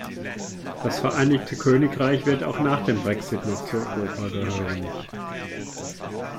Das Vereinigte Königreich wird auch nach dem Brexit noch zu Europa gehören.